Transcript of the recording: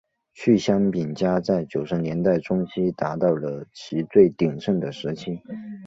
趣香饼家在九十年代中期达到了其最鼎盛的时期。